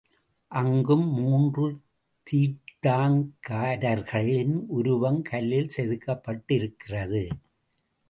அங்கும் மூன்று தீர்த்தாங்கரர்களின் உருவம் கல்லில் செதுக்கப்பட்டிருக்கிறது.